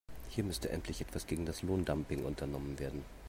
Hier müsste endlich etwas gegen das Lohndumping unternommen werden.